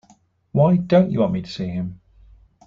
Why don't you want me to see him?